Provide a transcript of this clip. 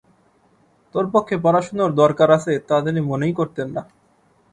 তোর পক্ষে পড়াশুনোর দরকার আছে তা তিনি মনেই করতেন না।